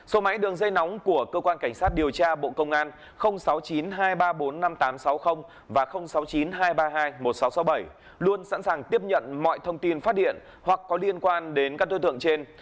số máy đường dây nóng của cơ quan cảnh sát điều tra bộ công an sáu mươi chín hai trăm ba mươi bốn năm nghìn tám trăm sáu mươi và sáu mươi chín hai trăm ba mươi hai một nghìn sáu trăm sáu mươi bảy luôn sẵn sàng tiếp nhận mọi thông tin phát điện hoặc có liên quan đến các đối tượng trên